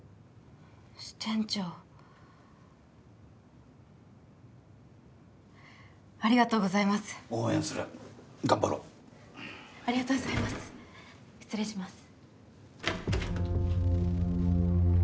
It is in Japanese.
支店長ありがとうございます応援する頑張ろうありがとうございます失礼します